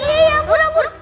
ya ampun ampun